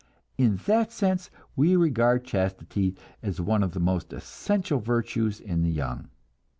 In that sense we regard chastity as one of the most essential of virtues in the young.